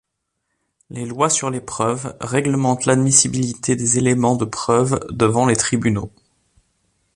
Les lois sur les preuves réglementent l'admissibilité des éléments de preuve devant les tribunaux.